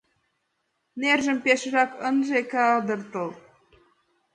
Нержым пешыжак ынже кадыртыл.